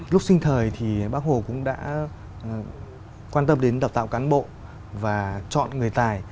lúc sinh thời thì bác hồ cũng đã quan tâm đến đào tạo cán bộ và chọn người tài